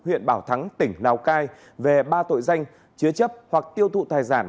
phú huyện bảo thắng tỉnh lào cai về ba tội danh chứa chấp hoặc tiêu thụ tài giản